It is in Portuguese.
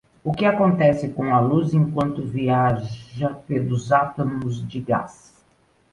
O que acontece com a luz enquanto viaja pelos átomos de gás?